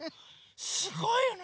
すごいよね！